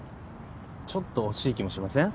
ちょっと惜しい気もしません？